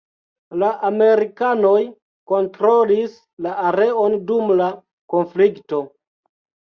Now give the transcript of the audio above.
La amerikanoj kontrolis la areon dum la konflikto.